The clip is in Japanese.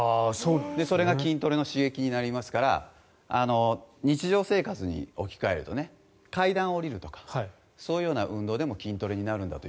それが筋トレの刺激になりますから日常生活に置き換えると階段を下りるとかそういうような運動でも筋トレになるんだと。